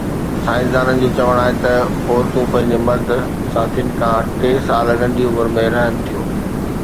سائنسدانن جو چوڻ آهي ته عورتون پنهنجي مرد ساٿين کان ٽي سال ننڍي عمر ۾ رهن ٿيون